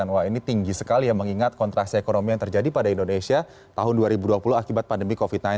wah ini tinggi sekali ya mengingat kontraksi ekonomi yang terjadi pada indonesia tahun dua ribu dua puluh akibat pandemi covid sembilan belas